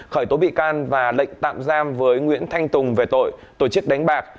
khởi tố bị can và lệnh tạm giam với nguyễn thanh tùng về tội tổ chức đánh bạc